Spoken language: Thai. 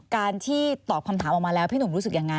การที่ตอบคำถามออกมาแล้วพี่หนุ่มรู้สึกยังไง